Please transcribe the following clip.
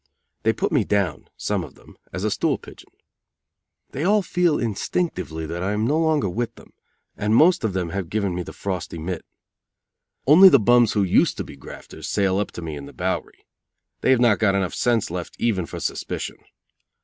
They put me down, some of them, as a stool pigeon. They all feel instinctively that I am no longer with them, and most of them have given me the frosty mit. Only the bums who used to be grafters sail up to me in the Bowery. They have not got enough sense left even for suspicion.